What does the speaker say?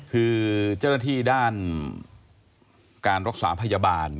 คือเจ้าหน้าที่ด้านการรักษาพยาบาล